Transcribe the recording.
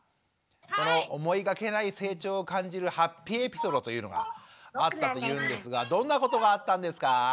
この思いがけない成長を感じるハッピーエピソードというのがあったというんですがどんなことがあったんですか？